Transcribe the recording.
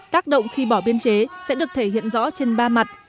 tác động khi bỏ biên chế sẽ được thể hiện rõ trên ba mặt